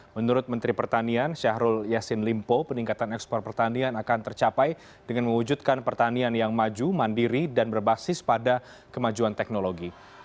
menurut menteri pertanian syahrul yassin limpo peningkatan ekspor pertanian akan tercapai dengan mewujudkan pertanian yang maju mandiri dan berbasis pada kemajuan teknologi